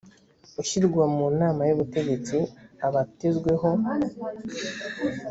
ushyirwa mu nama y ubutegetsi aba atezweho